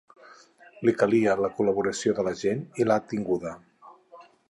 Li calia la col·laboració de la gent, i l’ha tinguda.